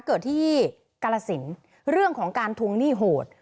เกิดที่กาลสินเรื่องของการทวงหนี้โหด